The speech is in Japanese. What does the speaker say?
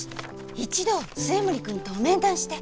一度末森君と面談して。